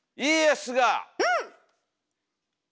うん！